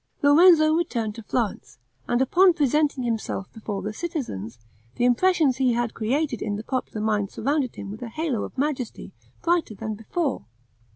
Lorenzo returned to Florence, and upon presenting himself before the citizens, the impressions he had created in the popular mind surrounded him with a halo of majesty brighter than before.